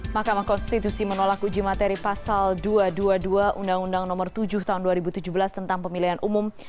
mahkamah konstitusi menolak uji materi pasal dua ratus dua puluh dua undang undang nomor tujuh tahun dua ribu tujuh belas tentang pemilihan umum